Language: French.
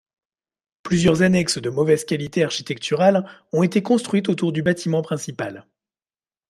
Plusieurs annexes de mauvaise qualité architecturale ont été construites autour du bâtiment principal.